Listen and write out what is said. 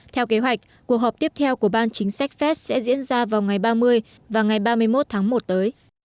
theo kế hoạch cuộc họp tiếp theo của ban chính sách fed sẽ diễn ra vào ngày ba mươi và ngày ba mươi một tháng một tới